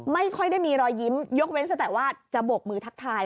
ไม่ค่อยได้มีรอยยิ้มยกเว้นซะแต่ว่าจะบกมือทักทาย